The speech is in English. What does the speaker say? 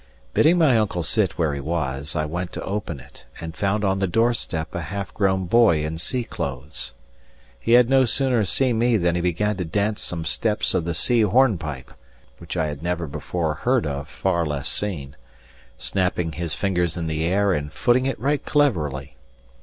Bidding my uncle sit where he was, I went to open it, and found on the doorstep a half grown boy in sea clothes. He had no sooner seen me than he began to dance some steps of the sea hornpipe (which I had never before heard of far less seen), snapping his fingers in the air and footing it right cleverly.